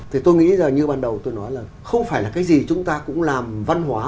thì tôi nghĩ giờ như ban đầu tôi nói là không phải là cái gì chúng ta cũng làm văn hóa